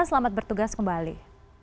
selamat bertugas kembali